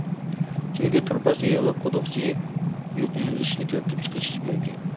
چۈنكى تۇرۇبا سۈيى ۋە قۇدۇق سۈيى يۇقۇملىنىشنى كەلتۈرۈپ چىقىرىشى مۇمكىن.